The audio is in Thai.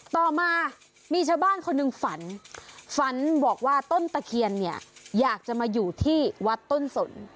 ต่อมามีชาวบ้านคนหนึ่งฝันฝันบอกว่าต้นตะเคียนเนี่ยอยากจะมาอยู่ที่วัดต้นสน